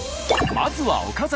まずは岡崎。